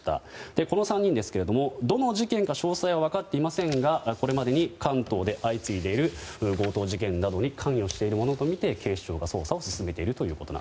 この３人はどの事件か詳細は分かっていませんがこれまでに関東で相次いでいる強盗事件などに関与しているものとみて警視庁が捜査を進めていると。